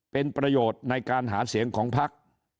เป็นประโยชน์ในการหาเสียงของพัก